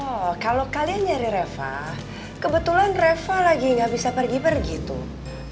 oh kalau kalian nyari reva kebetulan reva lagi gak bisa pergi pergi tuh